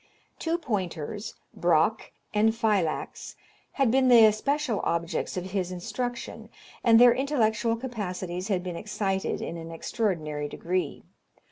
Two pointers, Braque and Philax, had been the especial objects of his instruction, and their intellectual capacities had been excited in an extraordinary degree.